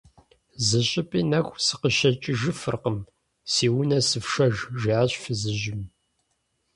- Зыщӏыпӏи нэху сыкъыщекӏыфыркъым, си унэ сыфшэж, – жиӏащ фызыжьым.